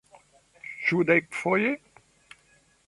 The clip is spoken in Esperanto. Ĉu dekfoje?